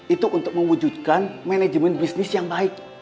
itu untuk mewujudkan manajemen bisnis yang baik